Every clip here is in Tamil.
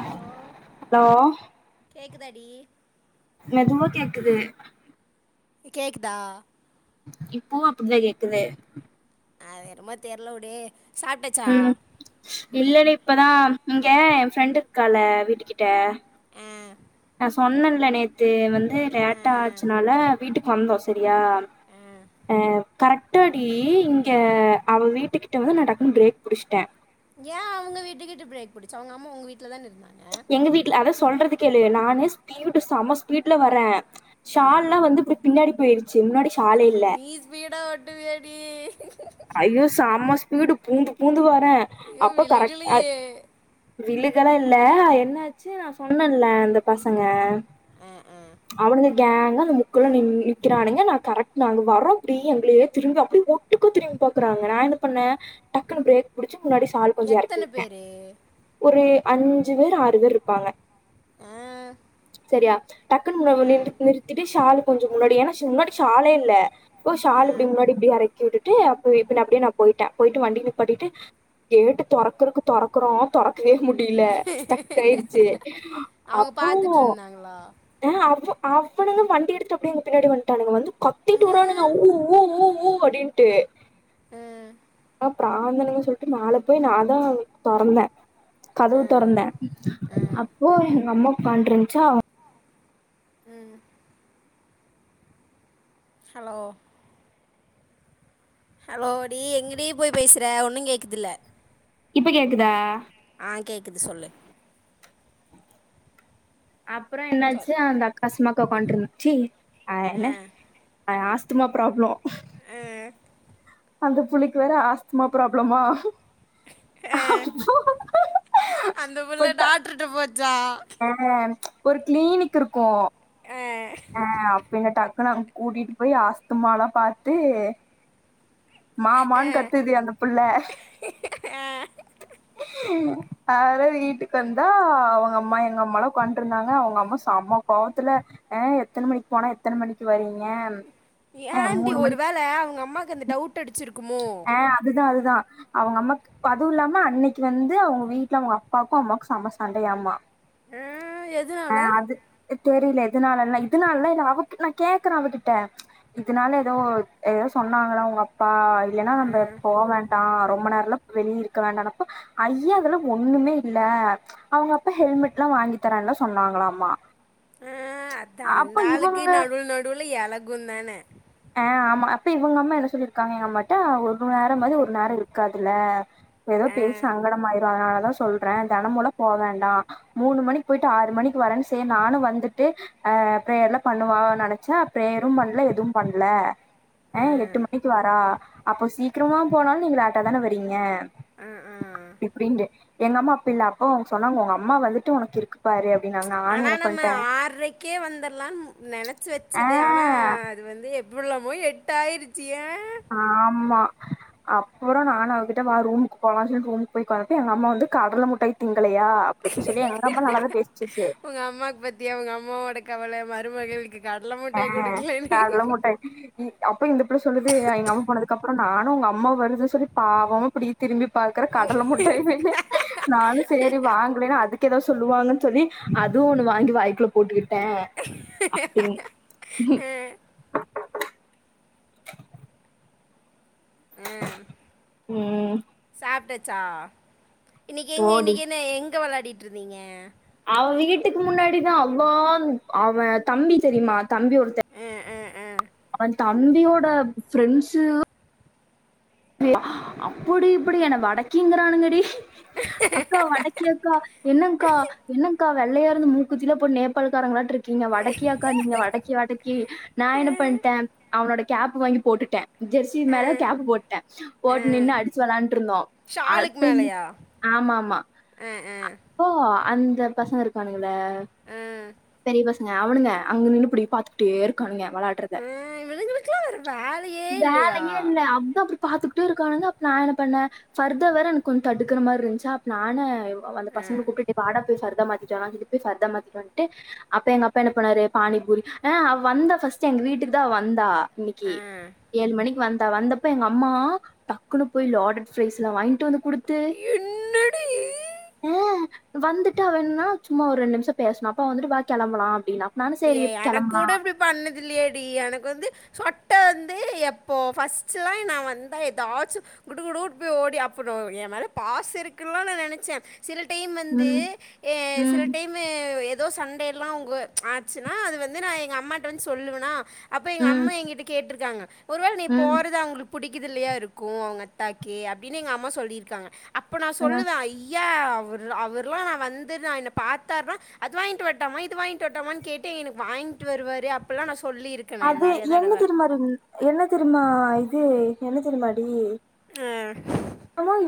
ஹலோ ஹலோ கேக் குதாடி? மெதுவா கேக்குது. இ கேக்குதா? இப்பவு அப்பிடிதா கேக்குது. அது என்னமோ தெர்ல விடு. சாப்ட்டாச்சா? ம் இல்லடி இப்பதா ம் இங்க என் ஃப்ரெண்டு் இருக்கால்ல வீட்டு கிட்ட ஆ சொன்னன்ல நேத்து வந்து ஆ லேட்டா ஆ ஆச்சுனால வீட்டுக்கு வந்தோ சரியா ஆ ஆ கரெக்டாடி இங்க அவ வீட்டுக்கிட்ட வந்து நா டக்குன்னு பிரேக் புடிச்சுட்டே ஏன் அவங்க வீட்டுக்கிட்ட பிரேக் புடிச்ச அவங்க அம்மா உங்க வீட்லதான இருந்தாங்க? எங்க வீட்ல அதா சொல்றது கேளு நானே ஸ்பீடு செம ஸ்பீட்ல வரே. ஆ ஷால்லா வந்து இப்டி பின்னாடி போயிடு நீ ஸ்பீடா ஓட்டுவியா டீ? ஐயோ செம ஸ்ஃபீடு பூந்து பூந்து ஓ ட்னே ஐயோ அப்ப கரெக்ட் அது விழுகலையே விழுகெல்லாம் இல்லை என்னாச்சு நான் சொன்னேல்லே அந்த பசங்க ஆ ஆ அவனுங் கேங்கா அந்த முக்குலா நிக்குரானுங்க நாங்க வரோம் எங்கலயே ஒட்டுக திரும்பி பாறாங்க ந என்ன பண்னேன் டக்குனு ப்ரேக் முன்னாடி சால் கொஞ்சம் எத்தன இறக்கிவிட்டேன் பேரு ஒரு அஞ்சு பேர் ஆறு பேர் இருப்பாங்க ஆஹ் [unintelligible] டக்கு நிறு நிறுத்திட்டு ஷால் கொஞ்சோ முன்னாடி ஏன்னா முன்னாடி ஷாலே இல்ல இப்போ ஆ ஷால் இப்டி முன்னாடி இப்டி இறக்கி விட்டு அப்ப இப்டினு அப்டியே நான் போயிட்டேன் போயிட்டு வண்டி பட்டிட்டு கேட்டு தொறக்கறக்கு தொறக்கறோ பிரேக் பிடிக்கவே முடியல ஸ்டக் ஆயிருச்சு அவங்க அப்போ பாத்துட்டு இருந்தாங்களா ஹம் அ அவனுங்க வண்டி எடுத்து அப்படிய எங்க பின்னாடி வந்துட்டானுங்க வந்து கத்திட்டு ஆ வறானுங்க ஊ ஊ ஊ ஊ அப்டின்ட்டு உம் தாழ்ந்தணும்ங்கு சொல்லிட்டு மேல போய் நான் தான் தொறந்தேன் ஆ கதவு தொறந்தேன் ஆ அப்போ எங்க அம்மா உட்காண்டுருந்துச்சா அவ உம் ஹலோ ஹலோ அடியே எங்கடி போய் பேசுற ஒன்னும்மே கேக்கல இப்ப கேக்குதா சொல்லு அப்பறோம் சொல் என்னாச்சு அந்த அக்கா மா ஒட்கந்துருச்சு ஆ ஆன ஆஹ சுத்தமா ப்ராப்ளம் ஆஹ் அந்த புலிக்கு வேற ஆஸ்துமா ப்ராப்ளமா அஹ் அப்போ அந்த புள்ள போட்டா டாக்டர்ட போச்சு சா ஆ ஒரு கிளீனிக் ருக்கும் ஆஹ் அப்பேலயிருந்து அ நாங்க கூட்டிட்டு போய் ஆஸ்துமாலாம் பார்த்து ஆ மாமானு கத்துது அந்த புள்ள ஆ ஹ ஹ வீட்டுக்கு வந்தா அவங்கம்மா எங்க அம்மாலாம் கொண்டுருந்தாங்க அவங்க அம்மா சம்ம கோவத்துல எத்தனை மணிக்கு போனா எத்தனை மணிக்கு வரீங்க ஏன் ஆண்டி ஒரு வேளை அவங்க அம்மா எங்கிருந்து டவுட் அடிச்சிருக்குமோ ஆஹ் அதுதான் அது தோ அவ அம்மாக்கு அதுவுமில்லாம அன்னிக்கி வந்து அவங்க வீட்டுல அவங்க அப்பாக்கு அம்மாக்கு செம்ம சண்டையா மா தோ ஆஹ் ஆஹ் அது தெரியல எதனாலல்ல இதனாலல்லாம் இல்ல அவ கிட் நான் கேக்குறேன் அவகிட்ட இதனால ஏதோ சொன்னாங்களா உங்க அப்பா இல்லன்னா ஆ நம்ம போக வேண்டாம் ரொம்ப நேரம் வெளிய இருக்க வேண்டப்ப ஐய்யோ அதுல ஒண்ணுமே இல்ல அவுங்க அப்ப ஹெல்மெட் எல்லாம் வாங்கி தர சொன்னாங்களமா அஹ் அது அந்த ஆளுக்கு நடு நடுவுல இலகுந்தானே ஆஹ் ஆமா அப்ப இவங்க அம்மா என்ன சொல்லிருக்காங்க எங்க அம்மாட்ட ஒரு நேரம் மாதிரி ஒரு நேரம் இருக்காதுல்ல ஏதோ ஆ பேசி சங்கடமாய நான் தான் சொல்றேன் தினமூல போ வேண்டாம் மூணு மணிக்கு போயிட்டு ஆறு மணிக்கு வரேன்னு செரி நானும் வந்துட்டு அஹ் ப்ரேயர்ல பண்ணுவா நினைச்சேன் ப்ரேயரும் பண்ணல எதுவும் பண்ணல ஆ ஏய் எட்டு மணிக்கு வரா அப்போ சீக்கிரமா போனாலும் நீங்கள லேட்டா தானே வறீங்க ஆ ஆ இப்படின்டு எங்கம்மா இல்ல அப்ப அவங்க சொன்னாங்க உங்க அம்மா வந்துட்டு உனக்கு இருக்குப்பாரு ஆனா நம்ம ஆர்ரைக்கே வந்துரலாம்னு நெனைச்சு ஆ வச்சது ஆனா அது வந்து உள்ளபோய் எட்டு ஆயிருச்சு ஏன் ஆமா அப்புறம் நான் அவகிட்ட ரூமுக்கு போகலாம்னு சொல்லிட்டு ரூமுக்கு போய் கு வந்தப்ப எங்க அம்மா வந்து கடல முட்டாயி திங்க இருக்கலையா அப்படி இப்படி சொல்லி எங்க அம்மா நல்லாதான் பேசுச்ச்சீ உங்கள் அம்மாவுக்கு பற்றியா உங்கள் அம்மாவோட [unintelligible] மிட்டாய் ஆஹ் கொடுக்கலன்னு கடலமுட்டாய் அப்போ இந்த புள்ள சொல்லுது எங்கம்மா போனதுக்கப்பற நானும் உங்க அம்மா வருதுன்னு சொல்லி பாவமா இப்படி திரும்பி பா்கற கடலை முட்டையவே இல்லை நானும் சரி வாங்கேன்ன அதுக்கு ஏதாவது சொல்லுவாங்கன்ன சொல்லி அதுவும் ஒன்னு வாங்கி வாய்க்குல போட்டு டேன் அப்டி ஹும் [inaudible] உஹ் ம் சாப்பிட்ட சா இன்னிக்கு எங்க இன்னைக்கு என்ன எங் வெளையாடிட்டு இருந்தீங்க அவன் வீட்டுக்கு முன்னாடிதான் அவவா அவன் தம்பி தெரியுமா தம்பி ஒருத்தன் ஆ ஆ ஆ ஹலோ [unintelligible] அப்படி இப்படி என்ன வடக்கிங்கிறானுங்கடி அக்கா வடக்கி அக்கா என்னங்க்கா என்னங்க்கா வெள்ளையா இருந்து மூக்குத்திலா போட் நேபாளக்காரங்களாட் இருக் கீங்க வடக்கியாக்கா நீங்க? வடக்கி வடக்கி நா ஆ, என்ன பண்ட்டே அவனோட கேப் வாங்கி போட்டுட்டே. ஜெர்சி மேல கேப் போட் போட்டு நின்னு அடிச்சு வெளையாண்ட்ருந்தோ ஷாலுக்கு அப்ப என்ன மேலேயா ஆமா ஆமா ஆ ஆ அ அப்போ ஆ அந்த பசங்க இருக்கானுக ல்ல ஆ பெரிய பசங் க அவுனுக அங்க நின்னு இப்டி பாத்துக்கிட்டே இருக்கானுக வெளையாடறத. ஆ, இவனுங்களுக்குலாம் வேறு வேலையே இல்லையா வேலையே இல்ல அதா அப்டி பாத்துக்கிட்டே இருக்கானுங்க அப்ப நா என்ன பண்ண ஃபர்தா வேற எனக்கு கொஞ் தடுக்கற மார இருந்துச்சா அப்ப நானே அப்ப அந்த ஆ பசங்கள கூப்ட்டு டேய் வாடா போய் ஃபர்தா மாத்திட் நா வீட்டுக்கு போய் ஃபர்தா மாத்திட்டு வந்துட்டு அப்ப எங்க அப்பா என்ன பண்ணாரு பானி பூரி ஆ அவ வந்தா ஃபஸ்ட் எங்க வீட்டுக்குதா அவ வந்தா அன்னக்கி ஆ ஏழு மணிக்கு வந் தா வந்தப்ப எங்க அ ம்மா டக்குன்னு போய் லாடட் ஃப்ரைஸ் எல்லா வாங்கிட்டு வந்து குடுத்து என்னடி ம் வந்துட்டு அவ என்னா சும்மா ஒரு ரெண்டு நிமிஷோ பேசுனா அப்ப வந்துட்டு வா கெளம்பலா அப்டின்னா அடியே எனக்கு கூட இப்டி பண்ணது இல்லையேடி எனக்கு வந்து சொட்ட வந் து எப்போ ஃபஸ்ட் எல்லா நா வந்தா எதாச்சு குடு குடுன்னு போய் ஓடி ஹக் பண்ணு என் மேல பாசோ இருக்குன்ல நா நெனைச்சே சில டைம் வந்து ம், ஏ சில ம், டைமு எ தோ சண்ட எல்லா அவங்க ஆச்சுனா அது வந்து நா எங்க அம்மாகிட்ட வந்து சொல்லுவனா அப்போ எங்க ம், அம்மா எங்கிட்ட கேட்ருக்காங்க ஒரு வேள நீ ம். போறது அவங்களுக்கு புடிக்குது இல்லையா இருக்கு அவங்க அத்தாக்கி அப்டின்னு எங்க அம்மா சொல்லியிருக்காங்க அப்ப நா ஆ. சொல்லவே ஐ யா அவர் அவர்லா நா வந்து நா என்ன பாத்தாருனா அது வாங்கிட்டு வரட்டாமா இது வாங் கிட்டு வரட்டாமான்னு கேட்டு எனக்கு வாங்கிட்டு வருவாரு அப்பெல்லா நா சொ அது என்ன தெரிமா இரு என்ன தெரிமா இ து என்ன தெரியுமாடி? ஆ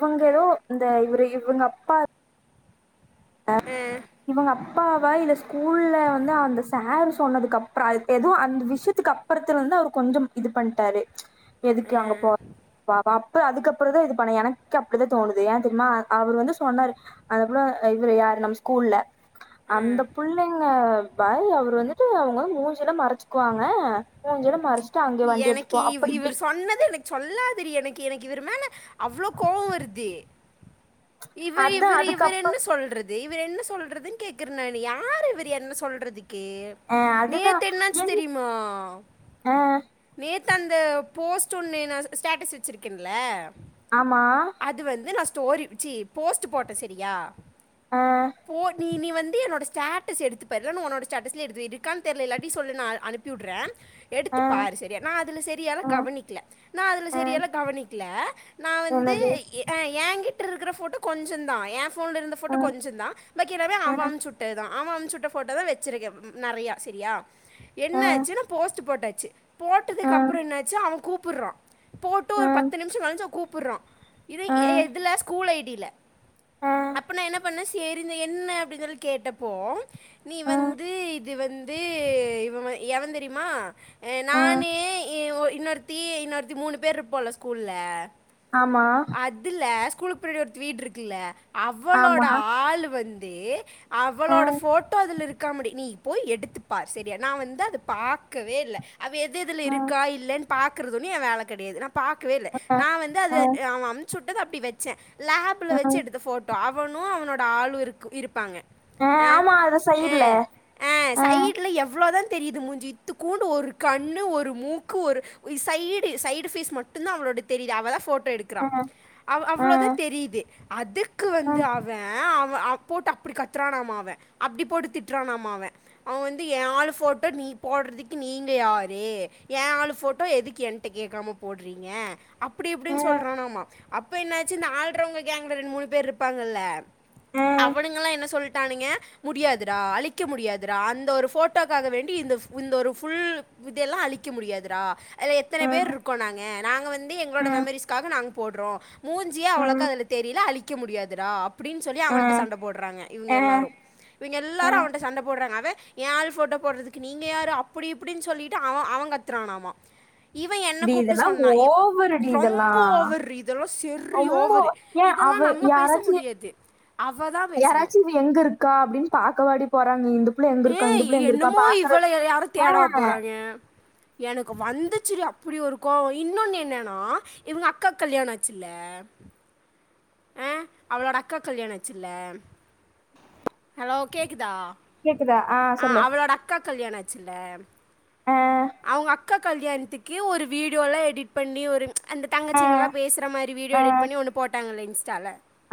இவங்களு இந்த இவரு இவங்க அப்பா ஆ அஹ் இவங்க அப்பாவா இல்ல ஸ்கூல்ல வந்து அந்த சாரு சொன்னதுக்கு அப்புறம் ஏதவும் அந்த விஷயத்துக்கு அப்புறத்துல வந்து அவர் கொஞ்சோம் இது பண்ணிட்டாரு எதுக்கு அங்க போற வாவா அப்ப அதுக்கப்புறம் தான் இது பண்ண எனக்கு அப்டிதான் தோணுது ஏன் தெரியுமா அவர் வந்து சொன்னாரு அந்த புள்ள இவர் யாரு நம்ம ஸ்கூல்ல அந்த புள்ளைங்க பைய் அவரு வந்து எப்படி அவங்க மூஞ்சில மறைச்சுக்குவாங்க மூஞ்சில மறைச் எனக்கு இவ இவரு சொன்னது எனக்கு சொல்லாதிரி எனக்கு எனக்கு இவருமேல அவ்ளோ கோவம் வருது இவர் அதான் இவரு அதுக்கப்புறம் இவர்ருன்னு சொல்றது இவர் என்ன சொல்றதுன்னு கேக்குற யாரு இவரு என்ன சொல்றதுக்கு அ கே அதுதா நேத்து என்னாச்சி என் தெரியுமா அ நேத்து அந்த போஸ்ட் ஒன்னு நான் ஸ்டேட்டஸ் வச்சுருக்கேன்ல ஆமா ஸ்டோரி வச்சி போஸ்ட் போட்டேன் செரியா அ போ நீ நீயும் வந்து என்னோட ஸ்டேட்டஸ் எடுத்து பாரு இல்லனா உன்னோட ஸ்டேட்டஸ்ல எடுத்து இருக்கான்னு தெரியல இல்லாட்டி சொல்லு அனுப்பிவுட்றேன் அ எடுத்து பாரு சரியா நான் அதில சரியால அ கவனிக்கல நான் அதில அ சரியால கவனிக்லல நான் வந்து என்னது ஆன் என்கிட் என்ட்ருக்கிற ஃபோட்டோ கொஞ்சம் தான் ஏப் போன்ல இருந்த அ போட்டோ கொஞ்சம் தான் பாக்கி எல்லாமே அ அவன் அமுச்சுட்டது தான் அவன் அமுச்சுட்ட ஃபோட்டோ தான் வச்சருக்கேன் நெறைய சரியா அ அ என்ன ஆச்சுன்னா போஸ்ட் போட்டே ச்சீ அ போட்டதுக்கு அப்புறம் என்னாச்சு அவன் கூப் டுறான் போட்டு ஒரு பத்து அ நிமிஷம் கழுச்சும் கூப்புறோம் இரு அ எ எதுல ஸ்கூல் ஐடில அப்போ நான் என்ன பண்ணேன் சேரினு என்ன அப்படின்னு சொல்லி கேட்டப்போ நீ அ வந்து இது வந்து இவன் எவன் தெரியுமா அ நானு ஏ ஒ இன்னொருத்தி இன்னொருத்தி மூணு பேர் இருப்போல ஸ்கூல்ல ஆமா அதுலஸ் ஸ்கூலுக்கு பின்னாடி ஒருத்தி வீட்டிருக்குல்ல அவளோட ஆமா ஆளு வந்து தே அ அவளோட ஃபோட்டோ இதில இருக்காமுடி நீ போய் எடுத்துப்பார் செரியா நான் வந்து அத பாக்கவே இல்ல அவ எது எதுல அ இருக்கா இல்லன்னு பாக்கறதொன்னு என் வேல கெடையாது நா பாக்கவே இல்ல நான் வந்து அ அதது அவன் சுட்டது அப்படி வச்சேன் லாப்ல வச்சு எடுத்த ஃபோட்டோ அவனும் அவனோட ஆளு இருக் இருப்பாங்க அ அஹ ஆமா அது சைடுல ஆஹ ஆஹ அ சைடுலா எவ்வளோதா தெரியுது முஞ்சீ இத்துக்கோண்டு ஒரு கண்ணு ஒரு மூக்கு ஒரு சைடு சைடு ஃபேஸ் மட்டு்தான் அவளோட தெரியுது அவதான் போட்டோ எடுக்குறான் அவ் அ அ அவளோதான் தெரியுது அதுக்கு க்கு வந்து அவன் அவ போட்டு அப்டி கத்துறானாமா அவன் அப்டி போட்டு திட்றானாமா அவன் அவன் வந்து ஏன் ஆளு ஃபோட்டோ நீ போட்றதுக்கு நீங்க யாரு என் ஆளு போட்டோ எதுக்கு என்ட கேட்காம போடுறீங்க அப்புடி அ இப்டின்னு சொல்றானாமா அப்ப என்னாச்சு இந்த ஆளுறவங்க கேங்கல ரெண்டு மூணு பேர் இருப்பாங்கல்ல அ அவனுங்கல்லாம் என்ன சொல் தானுங்க முடியாதுடா அழிக்க முடியாதுடா அந்த ஒரு போட்டோக்காக வேண்டி இந்த இந்த ஒரு ஃபுல் இதெல்லாம் அழிக்க முடியாதுடா இதுல எத்தன அ பேரு இருக்கோம் நாங்க நாங்க வந்து வந்து அ எங்களோட மெமரிஸ்காக நாங்க போட்றோம் மூஞ்சியே அவ்ளோக்க அதில தெரில அழிக் வைக்க முடியாதுடா அப்டின்னு சொல்லி அ அவன்ட்ட சண்ட போடுறாங்க இவங்க அ எல்லாரும் இவங்க அ எல்லாரும் அவன்ட்ட சண்ட போடுறாங்க அவன் ஏ‌ஆளு ஃபோட்டோ போடுறதுக்கு நீங்க யாரு அப்டி இப்டி அப்டின்னு சொல்லிட்டு அவ அவங் கத்துறானாமா இவன் என்னை டி கூப்பிட்டு இதல்லாம் சொன்னான் இ- ஒவ்வொரு டி இதல்லா ரொம்ப ஓவர் இதெல்லாம் சரி ரொம்ப ஓவர் ஏன் இதெல்லாம் அவ நம்ம பேச யாராச்சி முடியாது அவ தான் பேசணும் யாராச்சி இவ எங்க இருக்கா அப்டின்னு பாக்கவாடி போறாங்க இந்த புள்ள எங்க ஏ இருக்கா இந்த புள்ள எங்க இருக்கா பாக்குற ஹ போறாயங்க எனக்கு வந்துச்சுடி அப்ப அப்படி கோவோம் இன்னொன்னு என்னன்னா இவங்க அக்காக்கு கல்யாணோம் ஆச்சுல்ல ஆ அவளோட அக்கா கல்யாணம் ஆச்சுல ஹலோ கேக் க்குதா கேக்குதா ஆ சொல்லு அவளோட அக்கா கல்யாணோ இது ச்சில்ல ஆ, அவங்க அக்காக் கல்யாணத்துக்கு ஒரு வீடியோலா எடிட் பண்ணி ஒரு அந்த ஆ, தங்கச்சிங்கல்லா பேசுற மாரி வீடியோ ஆ, எடிட் பண்ணி ஒன்னு போட்டாங்கல்ல இ ன்ஸ்டால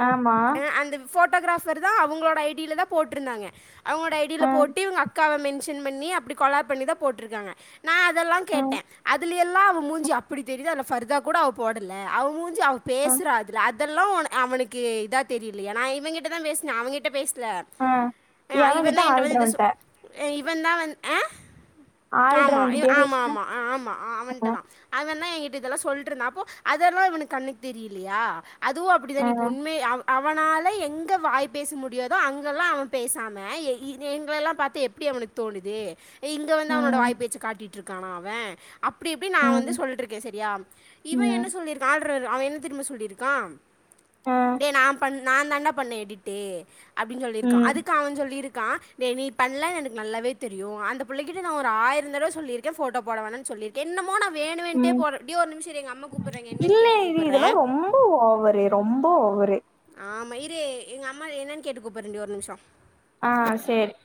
ஆமா. ஆ அந்த போஃட் போட்டோகிராஃபர் தா அவங்களோட ஐட் டில தா போட்ருந்தாங்க அவுங்களோட ஆ, ஐடில போட்டு இவுங்க அக்காவ மென்ஷ பின் பண்ணி அப்டி கொலாப் பண்ணி தா போட்ருக்காங்க நா அதெல்லா ஆ, கேட்டே அதுலியல் ன்னா அவ மூஞ்சி அப்புடி தெரிது அதுல ஃபர்தா கூடோ அவ போடல அவ் மூஞ் ஞ்சு அவ ஆ, பேசுறா அதுல அத் இதெல்லா ஒன அவனுக்கு இதா தெரிலியா நா இவங்கிட்ட தா பேஸ்னே அவங்கிட்ட பேஸ் ல ஆ. ஆ இவ எவன்கிட்ட தா என்ட வந்து இது ஆள்றவன்ட்ட. சொல் ஏய்வ் இவன் தா வந் ஆ ஆமா இவ ஆள்றவன்கிட்டயே ஆமா பேசுறேன். ஆமா ஆ ஆமா ஆ அவன்ட்டதா அவந்தா ட்டு இதெல்லா சொல்ட்ருந்த அப்போ அதெல்லா இவனுக்கு கண்ணுக் தெரிலியா அதுவு அப்படி தா ஆ, நீ இப்ப உண்மையா அவ அவனால எங்க வாய் பேச முடியாது தோ அங்கெல்லா அவன் பேசாம எ இது எங்கலெல்லா பாத்தது எப்டி அவனுக்கு தோனுது ஏ இங்க வந்து அவனோட ம், வாய் பேச்சி காட்டிட் ட்ருக்கானா அவ அப்டி இப்டி நா வந்து ம், சொல்லிட்ருக்கேன் சரியா இவன் ம், என்ன சொல்லிருக்கா ட்ராரு அவன் என்ன தெரிமா சொல்லிருக்கா ஆ, டே நா பண் நான் தாண்டா பண்ணே எடிட்டு அப்டின்னு சொல்லிருக்கா ம், அதுக்கு அவன் சொல்லியிருக் க்கா டேய் நீ பண்லன்னு எனக்கு நல்லாவே தெரியு அந்த புள்ளைக்கிட்ட நா ஒரு ஆயிரொ தடவ சொல்லியிருக்கே போஃட்டோ போட வேணான்னு சொல்லிருக்கே இன்னமோ நா ம் கூப்பிட்றாங்க என்னன்னு இல்ல கேட்டு இது இதெல்லா கூப்பிட்றேன் ரொம்ப ஓவரு ரொம்ப ஓவரு து எங்க அம்மா என்னன் கேட்டு கூப்பற்றண்டி ஒரு நிமிஷோ ஆ சேரி